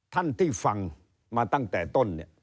ท่านที่ฟังมาตั้งแต่ต้นเนี่ย